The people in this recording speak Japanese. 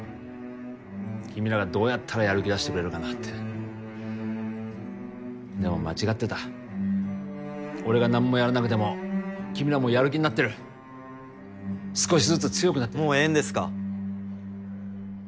君らがどうやったらやる気出してくれるかなってでも間違ってた俺が何もやらなくても君らはもうやる気になってる少しずつ強くなってるもうええんですか？